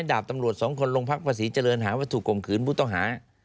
พี่ดาบตำรวจ๒คนลงพักภาษีเจริญหาว่าถูกคมขื้นพุทธหา